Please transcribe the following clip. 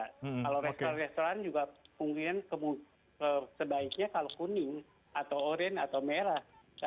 kalau restoran restoran juga mungkin sebaiknya kalau kuning atau orange atau merah